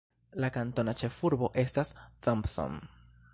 La kantona ĉefurbo estas Thomson.